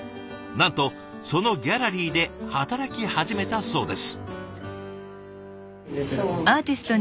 なんとそのギャラリーで働き始めたそうです。